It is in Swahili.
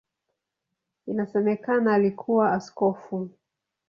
Inasemekana alikuwa askofu.